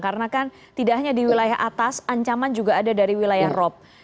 karena kan tidak hanya di wilayah atas ancaman juga ada dari wilayah rob